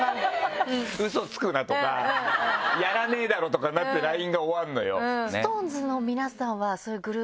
「うそつくな」とか「やらねえだろ」とかなくてＬＩＮＥが終わるのよ。